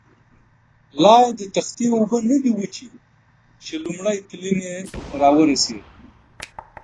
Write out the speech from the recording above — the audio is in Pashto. لایې د تختې اوبه نه دي وچې، چې لومړی تلین یې را ورسېد.